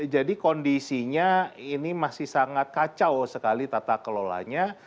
jadi kondisinya ini masih sangat kacau sekali tata kelolanya